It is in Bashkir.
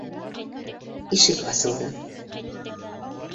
- Ишек асылды.